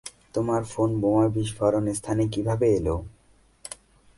তোমার ফোন বোমা বিস্ফোরণস্থানে কিভাবে এলো?